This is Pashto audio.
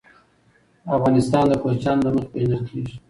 افغانستان د کوچیانو له مخې پېژندل کېږي.